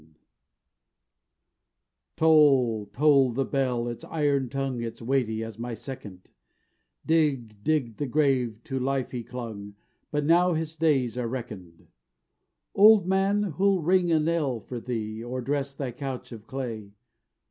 ENIGMA Toll, toll the bell, its iron tongue Is weighty as my second, Dig, dig the grave, to life he clung, But now his days are reckon'd. Old man, who'll ring a knell for thee, Or dress thy couch of clay?